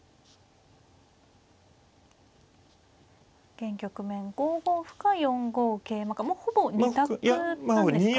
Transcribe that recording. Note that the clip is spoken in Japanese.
現局面５五歩か４五桂馬かもうほぼ二択なんですか？